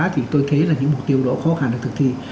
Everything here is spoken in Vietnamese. thì tôi thấy là những mục tiêu đó khó khăn được thực thi